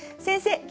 先生